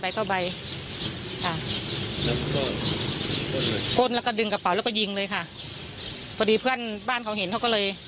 โป้นแล้วก็ดึงกระเป๋าแล้วก็ยิงเลยค่ะเพื่อนบ้านเขาเห็นเขาก็เลย